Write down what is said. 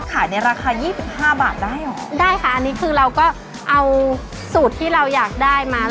ขายในราคายี่สิบห้าบาทได้เหรอได้ค่ะอันนี้คือเราก็เอาสูตรที่เราอยากได้มา